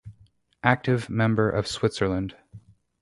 Active member of Switzerland.